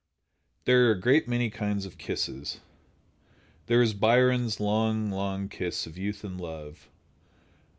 There are a great many kinds of kisses. There is Byron's "long, long kiss of youth and love."